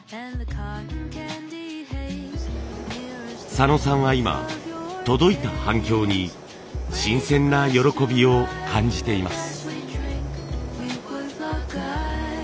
佐野さんは今届いた反響に新鮮な喜びを感じています。